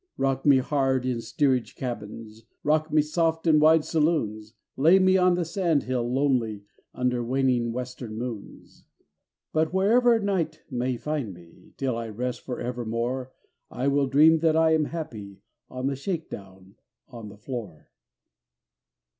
Rock me hard in steerage cabins, Rock me soft in wide saloons, Lay me on the sand hill lonely Under waning western moons; But wherever night may find me Till I rest for evermore I will dream that I am happy On the shake down on the floor.